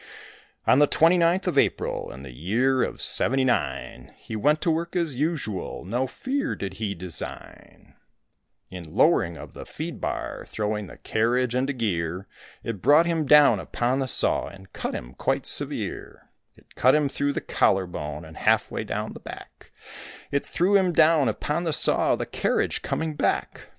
On the 29th of April in the year of seventy nine, He went to work as usual, no fear did he design; In lowering of the feed bar throwing the carriage into gear It brought him down upon the saw and cut him quite severe; It cut him through the collar bone and half way down the back, It threw him down upon the saw, the carriage coming back.